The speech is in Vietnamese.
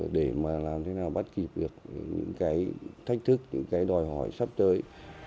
để làm thế nào bắt kịp được những thách thức những đòi hỏi sắp tới